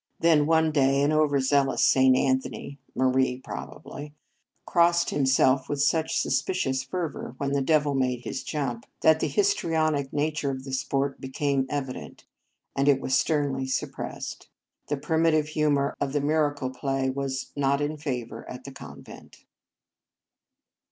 Then one day an over zealous St. An thony Marie probably crossed himself with such suspicious fervour when the devil made his jump that 163 In Our Convent Days the histrionic nature of the sport be came evident, and it was sternly sup pressed. The primitive humour of the miracle play was not in favour at the convent.